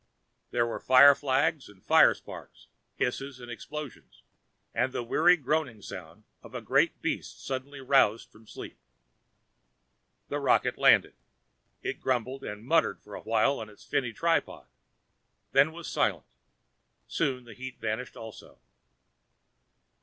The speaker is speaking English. There were fireflags and firesparks, hisses and explosions and the weary groaning sound of a great beast suddenly roused from sleep. The rocket landed. It grumbled and muttered for a while on its finny tripod, then was silent; soon the heat vanished also.